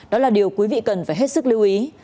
đó là điều quý vị cần phải hết sức lưu ý